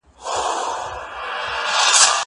زه د کتابتون د کار مرسته کړې ده!؟